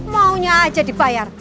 maunya aja dibayar